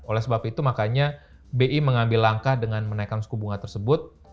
oleh sebab itu makanya bi mengambil langkah dengan menaikkan suku bunga tersebut